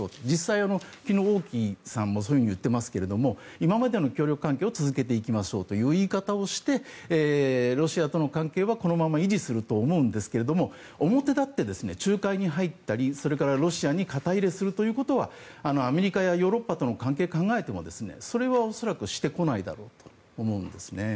実際、昨日、王毅さんもそのように言っていますが今までの協力関係を続けていきましょうという言い方をしていてロシアとの関係はこのまま維持すると思うんですが表立って仲介に入ったりそれからロシアに肩入れするということはアメリカやヨーロッパとの関係を考えてもそれは恐らくしてこないだろうと思うんです。